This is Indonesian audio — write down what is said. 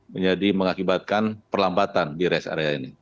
menjadi mengakibatkan perlambatan di rest area ini